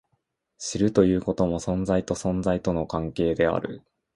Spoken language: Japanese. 知るということも、存在と存在との関係である。